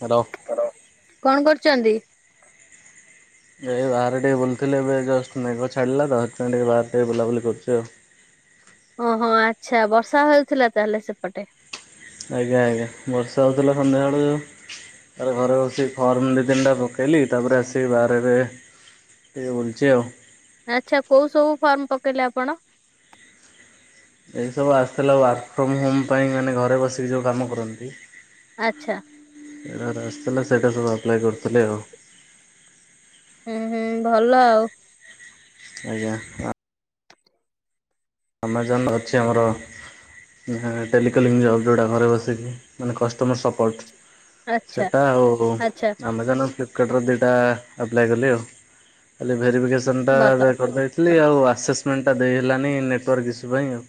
ର କଣ କରୁଛନ୍ତି? ଏ ବାହାରେ ଟିକେ ବୁଲୁଥିଲେ ଏବେ ଜଷ୍ଟ ମେଘ ଛାଡ଼ିଲା ତ ସେଥିପାଇଁ ଟିକେ ବାହାରେ ଟିକେ ବୁଲାବୁଲି କରୁଛି ଆଉ। ଓହୋ ଆଚ୍ଛା ବର୍ଷା ହଉଥିଲା ତାହେଲେ ସେପଟେ? ଆଜ୍ଞା ଆଜ୍ଞା ବର୍ଷା ହଉଥିଲା ସନ୍ଧ୍ୟାବେଳୁ ତାପରେ ଘରେ ବସି ଫର୍ମ ଦି ତିନଟା ପକେଇଲି ତାପରେ ଆସିକି ବାହରେ ଏବେ ଟିକେ ବୁଲୁଛି ଆଉ। ଆଚ୍ଛା କୋଉ ସବୁ ଫର୍ମ ପକେଇଲେ ଆପଣ? ଏ ସବୁ ଆସିଥିଲା ୱାର୍କ ଫ୍ରମ ହୋମ ପାଇଁ ମାନେ ଘରେ ବସିକି ଯୋଉ କାମ କରନ୍ତି। ଆଚ୍ଛା। ସେଇଟା ଗୋଟେ ଆସିଥିଲା ସେଇଟା ସବୁ ଆପ୍ଲାଏ କରୁଥିଲି ଆଉ। ହୁଁ ହୁଁ ଭଲ ଆଉ। ଆଜ୍ଞା ଆ ଆମାଜନ୍ ଅଛି ଆମର ନା ଟେଲିକଲିଙ୍ଗ ଜବ୍ ଯୋଉଟା ଘରେ ବସିକି ମାନେ କଷ୍ଟମର୍ ସପୋର୍ଟ। ଆଚ୍ଛା ସେଇଟା ହୋ ହୋଉ ଆଚ୍ଛା ଆମାଜନ୍ ଫିଳ୍ପ କାର୍ଟ ଦିଟା ଆପ୍ଲାଏ କଲି ଆଉ ଖାଲି ଭେରିଫିକେସନଟା ଭଲ ଯାହା କରିଦେଇ ଥିଲି ଆଉ ଆସେସମେଣ୍ଟ ଟା ଦେଇହେଲାନି ନେଟୱାର୍କ ଇସୁ ପାଇଁ ଆଉ।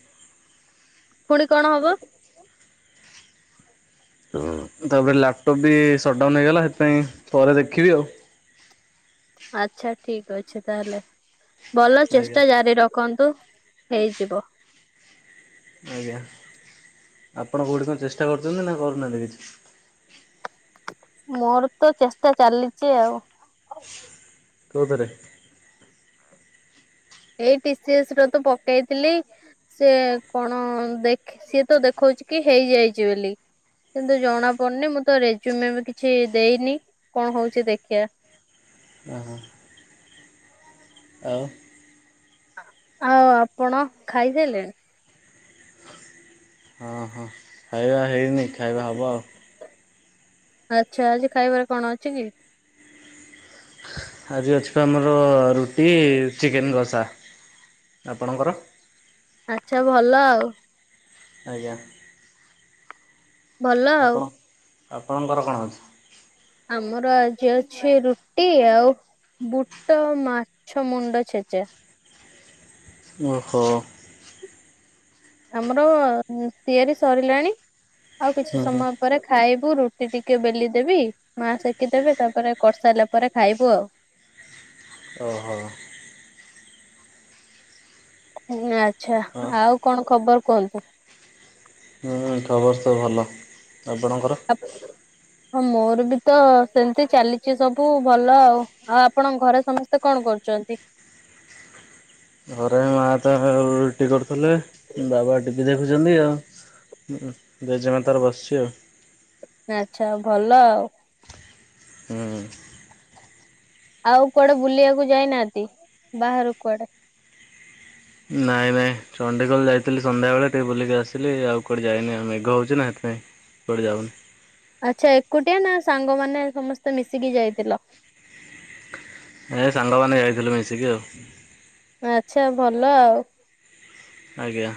ପୁଣି କଣ ହବ? ତାପରେ ଲ୍ୟାପଟପ୍ ବି ସଟ୍ଡାଉନ୍ ହେଇଗଲା ସେଥିପାଇଁ ପରେ ଦେଖିବି ଆଉ। ଆଚ୍ଛା ଠିକ୍ ଅଛି ତାହେଲେ ଭଲ ଆଜ୍ଞା ଚେଷ୍ଟା ଜାରି ରଖନ୍ତୁ। ହେଇଯିବ। ଆଜ୍ଞା ଆପଣ କଉଠି କଣ ଚେଷ୍ଟା କରୁଛନ୍ତି ନା କରୁନାହାନ୍ତି କିଛି। ମୋର ତ ଚେଷ୍ଟା ଚାଲିଚି ଆଉ। କୋଉଥିରେ? ଏଇ ଟି ସି ଏସ୍‌ ର ତ ପକେଇଥିଲି। ସେ କଣ ଦେଖ ସିଏ ତ ଦେଖଉଛି କି ହେଇଯାଇଛି ବୋଲି। କିନ୍ତୁ ଜଣା ପଡ଼ୁନି ମୁଁ ତ ରେଜୁମ୍ କିଛି ଦେଇନି କଣ ହୋଉଚି ଦେଖିଆ। ଓହ ଆଉ? ଆଉ ଆପଣ ଖାଇସାଇଲେଣି? ହଁ ହଁ ଖାଇବା ହେଇନି ଖାଇବା ହବ ଆଉ। ଆଚ୍ଛା ଆଜି ଖାଇବାରେ କଣ ଅଛି କି? ଆଜି ଅଛି ଆମର ରୁଟି ଚିକେନ୍‌ ଘସା ଆପଣଙ୍କର? ଆଛା ଭଲ ଆଉ। ଆଜ୍ଞା। ଭଲ ଆଉ ଆପଣ ଆପଣଙ୍କର କଣ ଅଛି? ଆମର ଆଜି ଅଛି ରୁଟି ଆଉ ବୁଟ ମାଛ ମୁଣ୍ଡ ଛେଚା। ଓହୋ। ଆମର ତିଆରି ସରିଲାଣି ଆଉ କିଛି ହୁଁ ହୁଁ ସମୟ। ପରେ ଖାଇବୁ ରୁଟି ଟିକେ ବେଲି ଦେବି ମା ସେକି ଦେବେ ତାପରେ କରିସାରିଲା ପରେ ଖାଇବୁ ଆଉ। ଓହୋ। ହଁ ଆଛା ଅ ଆଉ କଣ ଖବର କୁହନ୍ତୁ? ହୁଁ ଖବର ତ ଭଲ ଆପଣଙ୍କର? ହଁ ମୋର ବି ତ ସେମିତି ଚାଲିଛି ସବୁ ଭଲ ଆଉ। ଆଉ ଆପଣଙ୍କ ଘରେ ସମସ୍ତେ କଣ କରୁଚନ୍ତି? ଘରେ ମା ତ ରୁଟି କରୁଥିଲେ ବାବା ଟିଭି ଦେଖୁଛନ୍ତି ଆଉ। ହୁଁ ଜେଜେମା ତାର ବସିଚି ଆଉ। ଆଚ୍ଛା ଭଲ ଆଉ। ହୁଁ। ଆଉ କୁଆଡେ ବୁଲିବାକୁ ଯାଇନାହାନ୍ତି ବାହାରୁ କୁଆଡେ? ନାଇଁ ନାଇଁ ଚଣ୍ଡିଖୋଲ ଯାଇଥିଲି ସନ୍ଧ୍ୟାବେଳେ ଟିକେ ବୁଲିକି ଆସିଲି ଆଉ କୁଆଡେ ଯାଇନି ଆଉ ମେଘ ହୋଉଛି ନା ସେଥିପାଇଁ। କୁଆଡେ ଯାଉନୁ। ଆଛା ଏକୁଟିଆ ନା ସାଙ୍ଗମାନେ ସମସ୍ତେ ମିଶିକି ଯାଇଥିଲ? ଏ ସାଙ୍ଗମାନେ ଯାଇଥିଲୁ ମିଶିକି ଆଉ। ଆଚ୍ଛା ଭଲ ଆଉ। ଆଜ୍ଞା।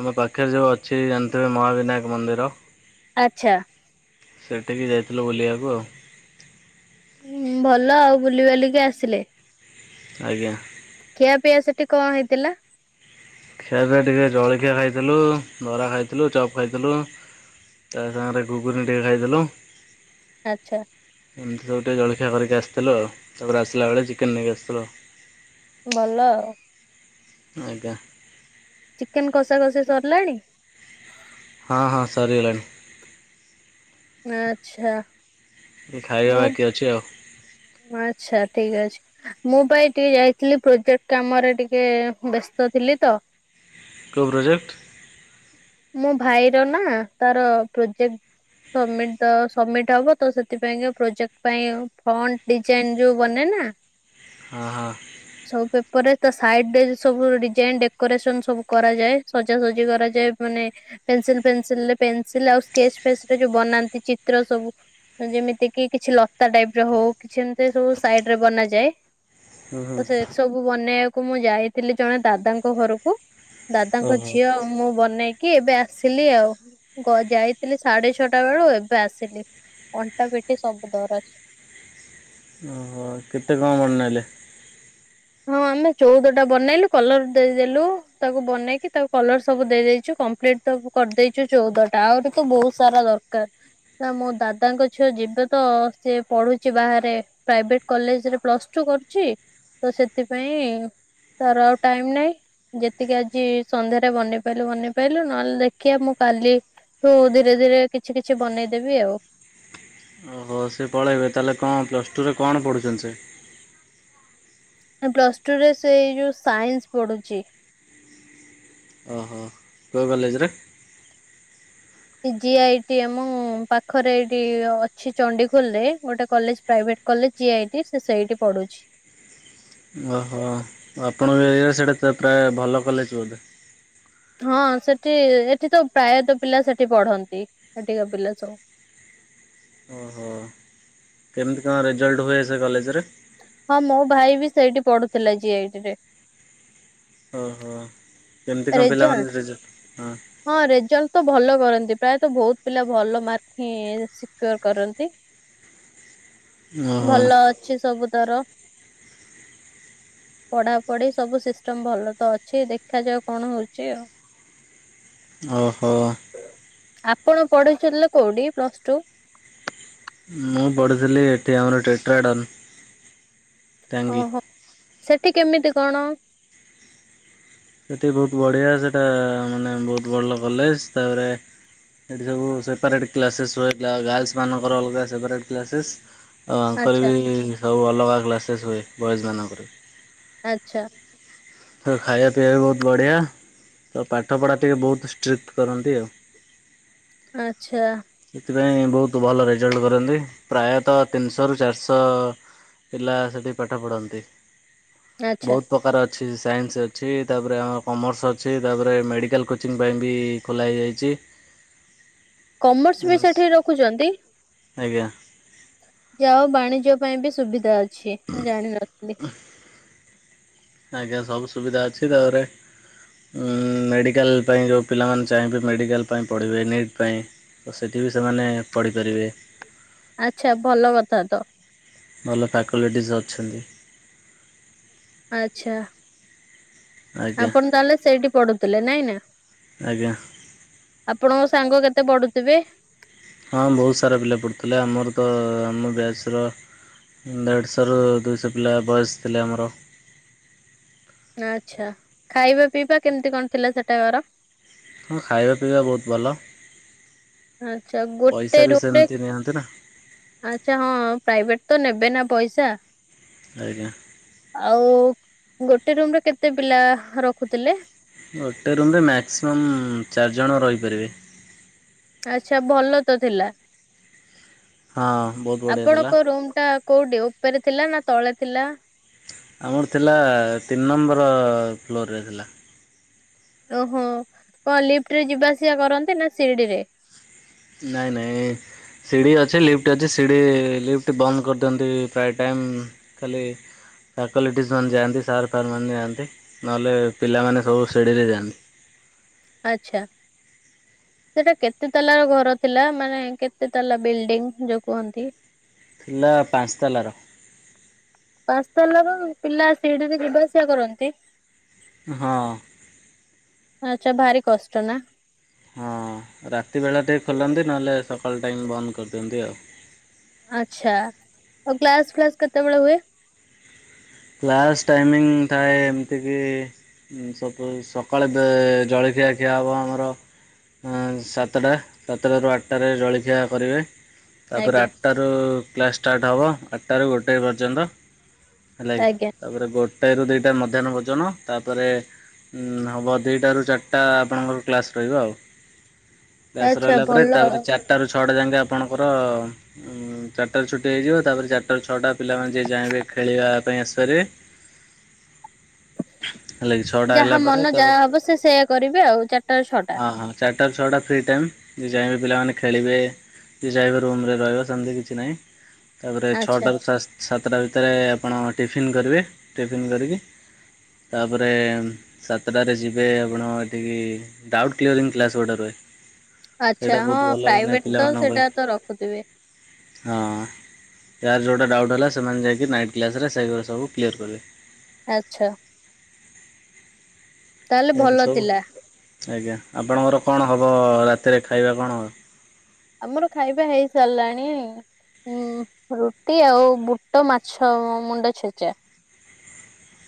ଆମ ପାଖରେ ଯୋଉ ଅଛି ଜାଣିଥିବେ ମହାବିନାୟକ ମନ୍ଦିର। ଆଚ୍ଛା। ସେଇଠିକି ଯାଇଥିଲୁ ବୁଲିବାକୁ ଆଉ। ଭଲ ଆଉ ବୁଲି ବାଲିକି ଆସିଲେ। ଆଜ୍ଞା। ଖିଆ ପିଆ ସେଠି କଣ ହେଇଥିଲା। ଖିଆ ପିଆ ଟିକେ ଜଳଖିଆ ଖାଇଥିଲୁ ବରା ଖାଇଥିଲୁ ଚପ୍ ଖାଇଥିଲୁ। ତା ସାଙ୍ଗରେ ଘୁଗୁନ ଟିକେ ଖାଇଦେଲୁ। ଆଚ୍ଛା। ଏମିତି ସବୁ ଟିକେ ଜଳଖିଆ କରିକି ଆସିଥିଲ ଆ ତାପରେ ଆସିଲାବେଳେ ଚିକେନ ନେଇକି ଆସିଥିଲ। ଭଲ ଆଉ ଆଜ୍ଞା ଚିକେନ କଷା କଷି ସରିଲାଣି ହଁ ହଁ ସରିଗଲାଣି ଆ ଆଛା ଖାଇବା ବାକି ଅଛି ଆଉ ଆଚ୍ଛା ଠିକ ଅଛି ମୁଁ ପା ଏଇ ଟିକେ ଯାଇଥିଲି ପ୍ରୋଜେକ୍ଟ କାମରେ ଟିକେ ବ୍ୟସ୍ତ ଥିଲି ତ କୋ ପ୍ରୋଜେକ୍ଟ? ମୋ ଭାଇର ନା ତାର ପ୍ରୋଜେକ୍ଟ ସବମିଟ ତ ସବମିଟ ହବ ତ ସେଥିପାଇଁ କି ପ୍ରୋଜେକ୍ଟ ପାଇଁ ଫଣ୍ଟ ଡିଜାଇନ ଯୋଉ ବନେ ନା [unintelligible] ହଁ ହଁ। ସବୁ ପେପର ରେ ତା ସାଇଡ ରେ ସବୁ ଡିଜାଇନ ଡେକୋରେସନ ସବୁ କରାଯାଏ ସଜାସଜି କରାଯାଏ। ମାନେ ପେନସିଲ ଫେନସିଲରେ ପେନସିଲ ଆଉ ସ୍କେଚ ଫେ ରେ ଯୋଉ ବନାନ୍ତି ଚିତ୍ର ସବୁ। ଯେମିତି କି କିଛି ଲତା ଟାଇପର ହଉ କିଛି ଏମିତି ସବୁ ସାଇଡ ରେ ବନାଯାଏ। ହୁଁ ହୁଁ ତ ସେ ସବୁ ବନେଇବାକୁ ମୁଁ ଯାଇଥିଲି ଜଣେ ଦାଦାଙ୍କ ଘରକୁ। ଦାଦାଙ୍କ ଓହୋ। ଝିଅ ମୁଁ ବନେଇ କି ଏବେ ଆସିଲି ଆଉ ଯାଇଥିଲି ସାଢେ ଛଅଟା ବେଳୁ ଏବେ ଆସିଲି। ଅଣ୍ଟା ପିଟି ସବୁ ଦରଜ। ଓହ କେତେ କଣ ବନେଇଲେ? ହଁ ଆମେ ଚଉଦ ଟା ବନେଇଲୁ କଲର ଦେଇଦେଲୁ ତାକୁ ବନେଇକି ତାକୁ କଲର ସବୁ ଦେଇଦେଇଛୁ କମ୍ପ୍ଲିଟ। ଏତକୁ କରିଦେଇଛୁ ଚଉଦଟା ଆହୁରି ତ ବହୁତ ସାରା ଦରକାର। ନା ମୋ ଦାଦାଙ୍କ ଛୁଆ ଯିବେ ତ ସେ ପଢୁଛି ବାହାରେ। ପ୍ରାଇଭେଟ କଲେଜରେ ପ୍ଲସ ଟୁ କରୁଛି। ତ ସେଥିପାଇଁ ତାର ଆଉ ଟାଇମ ନାଇଁ। ଯେତିକି ଆଜି ସନ୍ଧ୍ୟାରେ ବନେଇ ପଲୁ ବନେଇ ପଲୁ ନହେଲେ ଦେଖିବା ମୁଁ କାଲି। ତୁ ଧୀରେ ଧୀରେ କିଛି କିଛି ବନେଇଦେବି ଆଉ। ହଉ ସେ ପଳାଇବେ ତାହେଲେ କଣ ପ୍ଲସ୍ ଟୁରେ କଣ ପଢ଼ୁଛନ୍ତି ସେ‌। ପ୍ଲସ୍ ଟୁରେ ସେଇ ଯଉ ସାଇନ୍ସ ପଢ଼ୁଛି। ଓହୋ। କଉ କଲେଜରେ। ଜି ଆଇ ଟି ଆମ ପାଖରେ ଏଇଠି ଅଛି ଚଣ୍ଡିଖୋଲ ରେ ଗୋଟେ କଲେଜ ପ୍ରାଇଭେଟ। କଲେ ଯି ଆଇ ଟି ସେ ସେଇଠି ପଢୁଛି। ଓହୋ। ଆପଣଙ୍କ ଏଇ ସେଇଟା ତ ପ୍ରାୟ ଭଲ କଲେଜ ବୋଧେ। ହଁ ସେଠି ଏଠି ତ ପ୍ରାୟତଃ ପିଲା ସେଠି ପଢନ୍ତି ସେଠିକା ପିଲା ସବୁ। ଓହୋ। କେମିତି କଣ ରେଜଲ୍ଟ ହୁଏ ସେ କଲେଜରେ। ହଁ ମୋ ଭାଇ ବି ସେଇଠି ପଢୁଥିଲା ଜି ଆଇ ଇ ଟି ରେ। ଓହୋ କେମିତି କଣ ରେଜଲ୍ଟ ପିଲାମାନେ ରେଜ ହଁ। ହଁ ରେଜଲ୍ଟ ତ ଭଲ କରନ୍ତି ପ୍ରାୟତଃ ବହୁତ ପିଲା ଭଲ ମାର୍କ ହ‌। କରନ୍ତି ଓହୋ ଭଲ ଅଛି ସବୁ ତର। ପଢା ପଢି ସବୁ ସିଷ୍ଟମ ଭଲ ତ ଅଛି ଦେଖାଯାଉ କଣ ହଉଛି ଆଉ। ଓହୋ। ଆପଣ ପଢୁଛନ୍ତି କୋଉଠି ପ୍ଲସ ଟୁ? ମୁଁ ପଢ଼ୁଥିଲି ଏଠି ଆମର ଟ୍ରେକ୍ଟର ଆଡ଼ଡନ୍। ଓହୋ ସେଠି କେମିତି କଣ‌? ସେଠି ବହୁତ ବଢ଼ିଆ ସେଇଟା ମାନେ ବହୁତ ଭଲ କଲେଜ ତାପରେ। ସେଠି ସବୁ ସେପାରେଟ୍ କ୍ଲାସେସ୍ ହଥିଲା ଗାର୍ଲସ ମାନଙ୍କର ଅଲଗା ସେପାରେଟ୍ କ୍ଲାସେସ୍। ଆଉ ଆଙ୍କର ଆଚ୍ଛା ବି ସବୁ ଅଲଗା କ୍ଲାସେସ୍ ହୁଏ ବଏଜ୍ ମାନଙ୍କର‌‌। ଆଚ୍ଛା। ତ ଖାଇବା ପିଇବା ବି ବହୁତ ବଢ଼ିଆ ତ ପାଠପଢ଼ା ଟିକିେ ବହୁତ ଷ୍ଟ୍ରିଟ କରନ୍ତି ଆଉ। ଆଚ୍ଛା। ସେଥିପାଇଁ ବହୁତ ଭଲ ରେଜଲ୍ଟ କରନ୍ତି ପ୍ରାୟତଃ ତିନିଶହରୁ ଚାରିଶହ ପିଲା ସେଠି ପାଠ ପଢ଼ନ୍ତି। ଆଚ୍ଛା ବହୁତ ପ୍ରକାର ଅଛି ସାଇନ୍ସ ଅଛି ତାପରେ ଆମର କମର୍ସ ଅଛି ତାପରେ ମେଡ଼ିକାଲ କୋଚିଂ ପାଇଁ ବି ଖୋଲାଯାଇଛି। କମର୍ସ ବି ସେଠି ରଖୁଛନ୍ତି? ଆଜ୍ଞା। ଯାଉ ବାଣିଜ୍ୟ ପାଇଁ ବି ସୁବିଧା ଅଛି ମୁଁ ଜାଣିନଥିଲି। ଆଜ୍ଞା ସବୁ ସୁବିଧା ଅଛି ତାପରେ ମେଡ଼ିକାଲ ପାଇଁ ଯେଉଁ ପିଲାମାନେ ଚାହିଁବେ ମେଡ଼ିକାଲ ପାଇଁ ପଢ଼ିବେ ନିଟ୍ ପାଇଁ ତ ସେଠି ବି ସେମାନେ ପଢ଼ିପାରିବେ। ଆଚ୍ଛା ଭଲ କଥା ତ। ଭଲ ଫ୍ୟାକଲ୍ଟିଜ ଅଛନ୍ତି। ଆଚ୍ଛା। ଆଜ୍ଞା ଆପଣ ତାହେଲେ ସେଇଠି ପଢୁଥିଲେ ନାଇଁ ନା? ଆଜ୍ଞା ଆପଣଙ୍କ ସାଙ୍ଗ କେତେ ପଢୁଥିବେ? ହଁ ବହୁତ ସାରା ପିଲା ପଢ଼ୁଥିଲେ ଆମର ତ ଆମ ବ୍ୟାଚର ଦେଢ଼ଶହରୁ ଦୁଇଶହ ପିଲା ବୟସ୍ ଥିଲେ ଆମର। ଆଚ୍ଛା ଖାଇବା ପିଇବା କେମିତି କଣ ଥିଲା ସେଟାକାର? ହଁ ଖାଇବା ପିଇବା ବହୁତ ଭଲ। ଆଚ୍ଛା ପଇସା ଗୋଟେ ବି ରୁମରେ ସେମିତି ନିଅନ୍ତି ନା ଆଚ୍ଛା ହଁ ପ୍ରାଇଭେଟ ତ ନେବେ ନା ପଇସ। ଆଜ୍ଞା। ଆଉ ଗୋଟେ ରୁମରେ କେତେ ପିଲା ରଖୁଥିଲେ? ଗୋଟେ ରୁମ୍ ମା୍ୟାକ୍ସିମମ୍ ଚାରିଜଣ ରହିପାରିବେ। ଆଚ୍ଛା ଭଲ ତ ଥିଲା ହଁ ବହୁତ ବଢ଼ିଆ ଥିଲା। ଆପଣଙ୍କ ରୁମ ଟା କୋଉଠି ଉପରେ ଥିଲା ନା ତଳେ ଥିଲା? ଆମର ଥିଲା ତିନି ନମ୍ବର ଫ୍ଲୋରରେ ଥିଲା। ଓହୋ କଣ ଲିଫ୍ଟ ରେ ଯିବା ଆସିବା କରନ୍ତିେ ନା ସିଡି ରେ? ନାଇଁ ନାଇଁ ସିଡ଼ି ଅଛି ଲିଫ୍ଟ ଅଛି ସିଡ଼ି ଲିଫ୍ଟ ବନ୍ଦ କରିଦିଅନ୍ତି ପ୍ରାୟ ଟାଇମ୍ ଖାଲି ଫ୍ୟାକଲ୍ଟିଜ ମାନେ ଯାଆନ୍ତି ସାର୍ ଫାର୍ ମାନେ ଯାଆନ୍ତି ନହେଲେ ପିଲାମାନେ ସବୁ ଶିଡି ରେ ଯାଆନ୍ତି। ଆଚ୍ଛା। ସେଟା କେତେ ତାଲାର ଘର ଥିଲା ମାନେ କେତେ ତାଲା ବିଲ୍ଡିଙ୍ଗ ଯୋଉ କୁହନ୍ତି? ଥିଲା ପାଞ୍ଚ ତାଲାର। ପାଞ୍ଚତାଲା ରୁ ପିଲା ସିଡି ରେ ଯିବା ଆସିବା କରନ୍ତି? ହଁ। ଆଛା ଭାରି କଷ୍ଟ ନା? ହଁ ରାତି ବେଳା ଟିକେ ଖୋଲନ୍ତି ନହେଲେ ସକାଳ ଟାଇମ୍ ବନ୍ଦ କରିଦିଅନ୍ତି ଆଉ। ଆଛା ଆଉ କ୍ଲାସ ଫ୍ଲାସ୍ କେତେବେଳେ ହୁଏ? କ୍ଲାସ ଟାଇମିଙ୍ଗ ଥାଏ ଏମିତି କି ଉଁ ସ ସକାଳେ ଜଳଖିଆ ଖିଆ ହବ ଆମର ଉଁ ସାତଟା ସାତଟାରୁ ଆଠଟାରେ ଜଳଖିଆ କରିବେ। ତାପରେ ଆଜ୍ଞା ଆଠଟାରୁ କ୍ଲାସ୍ ଷ୍ଟାର୍ଟ ହେବ ଆଠଟାରୁ ଗୋଟାଏ ପର୍ଯ୍ୟନ୍ତ। ହେଲା କି ଆଜ୍ଞା ତାପରେ ଗୋଟାଏ ରୁ ଦୁଇଟା ମଧ୍ୟାହ୍ନ ଭୋଜନ ତାପରେ ଉଁ ହବ ଦୁଇଟାରୁ ଚାରିଟା ଆପଣଙ୍କର କ୍ଲାସ୍ ରହିବ ଆଉ। ଆଚ୍ଛା ଭଲ ଆଉ। ଆଠଟାରୁ ଛଅଟା ଯାକେ ଆପଣଙ୍କର ଉଁ ଚାରିଟାରୁ ଛୁଟି ହେଇଯିବ ତାପରେ ଚାରିଟାରୁ ଛଅଟା ପିଲାମାନେ ଯିଏ ଯାଇଁବେ ଖେଳିବା ପୟେଶରେ ଯାହା ପରେ ମନ ତାପରେ ଯାହା ହବ ସେ ସେଇଆ କରିବେ ଆଉ ଚାରିଟା ଛଅଟା। ହଁ ହଁ ଚାରିଟାରୁ ଛଅଟା ଫ୍ରି ଟାଇମ୍ ଯେ ଯାଇଁବେ ପିଲାମାନେ ଖେଳିବେ ଯିଏ ଚାହିଁବ ରୁମ ରେ ରହିବ ସେମିତି କିଛି ନାହିଁ ତାପରେ ଆଚ୍ଛା। ଛଅଟାରୁ ସା ସାତଟା ଭିତରେ ଆପଣ ଟିଫିନ୍ କରିବେ ଟିଫିନ୍ କରିକି ତାପରେ ସାତଟାରେ ଯିବେ ଆପଣ ଏଠିକି ଡାଉଟ୍ କ୍ୟରିଂ କ୍ଲାସ ଗୋଟେ ରୁହେ। ଆଚ୍ଛା ସେଇଟା ହଁ ବହୁତ ଭଲ ମାନେ ପ୍ରାଇଭେଟ ତ ପିଲାମାନଙ୍କ ସେଇଟା ତ ପାଇଁ। ରଖୁଥିବେ ହଁ ଯାହାର ଯୋଉଟା ଡାଉଟ୍ ହେଲା ସେମାନେ ଯାଇକି ନାଇନ୍ କ୍ଲାସ ରେ ଏଗୁଡ଼ା ସବୁ କ୍ଲିୟର କରିବେ। ଆଛା। ତାହେଲେ ଏମତି ଭଲ ସବୁ ଥିଲା। ଆଜ୍ଞା ଆପଣଙ୍କର କଣ ହେବ ରାତିରେ ଖାଇବା କଣ ହେବ? ଆମର ଖାଇବା ହେଇ ସାରିଲାଣି। ହଁ ରୁଟି ଆଉ ବୁଟ ମାଛ ମୁଣ୍ଡ ଛେଚା।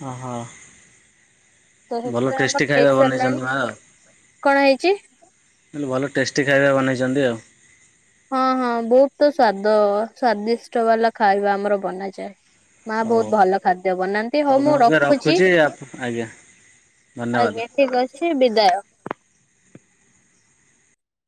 ଓହୋ। ତ ଭଲ ସେଥିପାଇଁ ଆମର ଟେଷ୍ଟି ଖାଇବା ହେଇସାରିଲାଣି ବନେଇଛନ୍ତି ମା ଆଉ। କଣ ହେଇଛି? ହେଲେ ଭଲ ଟେଷ୍ଟି ଖାଇବା ବନେଇଛନ୍ତି ଆଉ। ହଁ ହଁ ବହୁତ ତ ସ୍ଵାଦ ସ୍ଵାଦିଷ୍ଟ ବାଲା ଖାଇବା ଆମର ବନାଯାଏ। ମା ହଉ ବହୁତ ଭଲ ଖାଦ୍ୟ ବନାନ୍ତି ହଉ ଆଉ ମୁଁ ଏବେ ରଖୁଛି। ଆପ ଆଜ୍ଞା ଧନ୍ୟବାଦ। ଠିକ୍ ଅଛି ବିଦାୟ।